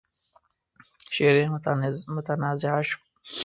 شعر يې متنازعه شو.